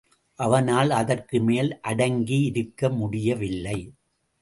அவனால் அதற்கு மேல் அடங்கி இருக்க முடிய வில்லை.